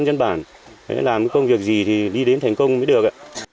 bà con nhân bản làm công việc gì thì đi đến thành công mới được